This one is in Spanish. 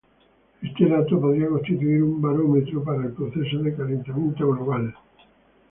Este dato podría constituir un barómetro para el proceso de calentamiento global.